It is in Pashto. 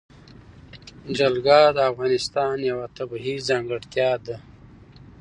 جلګه د افغانستان یوه طبیعي ځانګړتیا ده.